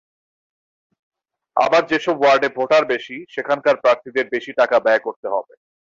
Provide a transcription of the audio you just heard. আবার যেসব ওয়ার্ডে ভোটার বেশি, সেখানকার প্রার্থীদের বেশি টাকা ব্যয় করতে হবে।